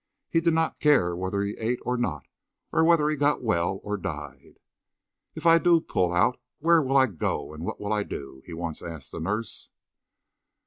He did not care whether he ate or not, or whether he got well or died. "If I do pull out, where'll I go and what'll I do?" he once asked the nurse.